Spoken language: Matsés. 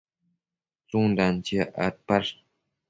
tsundan chiac adpash?